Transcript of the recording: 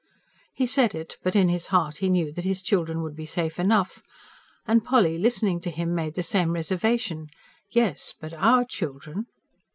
He said it, but in his heart he knew that his children would be safe enough. And Polly, listening to him, made the same reservation: yes, but OUR children....